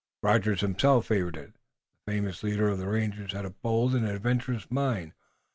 Rogers himself favored it. The famous leader of rangers had a bold and adventurous mind.